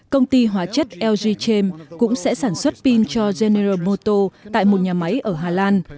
công ty hóa chất lg chem cũng sẽ sản xuất pin cho general motors tại một nhà máy ở hà lan